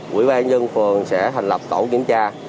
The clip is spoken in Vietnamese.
quỹ ban dân phường sẽ hành lập tổ kiểm tra